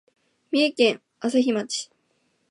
三重県朝日町